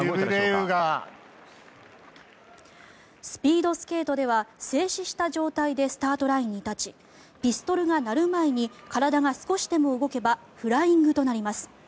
スピードスケートでは静止した状態でスタートラインに立ちピストルが鳴る前に少しでも動けばフライングとなります。